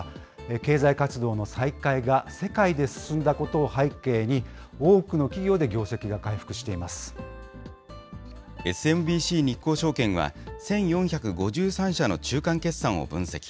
経済活動の再開が世界で進んだことを背景に、多くの企業で業績がＳＭＢＣ日興証券は、１４５３社の中間決算を分析。